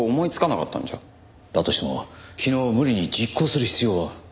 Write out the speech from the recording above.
だとしても昨日無理に実行する必要は。